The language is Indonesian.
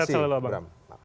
terima kasih ibu ram